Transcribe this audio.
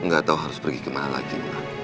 gak tau harus pergi kemana lagi